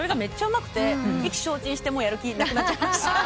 意気消沈してもうやる気なくなっちゃいました。